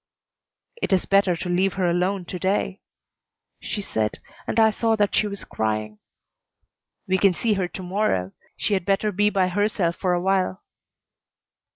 "It is better to leave her alone to day," she said, and I saw that she was crying. "We can see her to morrow. She had better be by herself for a while."